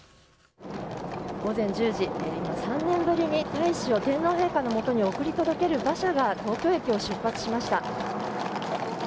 午前１０時３年ぶりに大使を天皇陛下のもとに送り届ける馬車が東京駅を出発しました。